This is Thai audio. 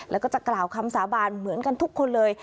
แล้วก็จะกล่าวคำสาบานเหมือนกันทุกคนเลย